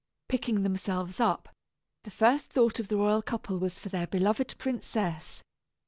Picking themselves up, the first thought of the royal couple was for their beloved princess.